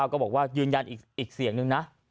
ก็บอกว่ายืนยันอีกเสียงนึงนะ